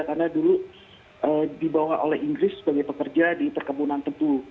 maarahnya dulu dibawa oleh inggris sebagai pekerja di perkebunanpod